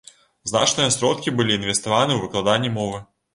Значныя сродкі былі інвеставаны ў выкладанне мовы.